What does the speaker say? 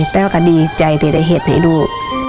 แต่ว่าก็ดีใจที่ได้เห็นให้ดู